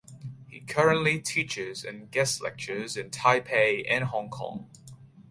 He currently teaches and guest lectures in Taipei and Hong Kong.